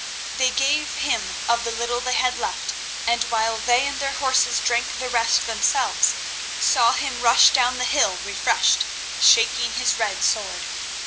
They gave him of the little they had left, and while they and their horses drank the rest themselves, saw him rush down the hill refreshed, shaking his red sword.